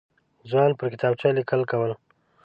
ځوان پر کتابچه لیکل کول.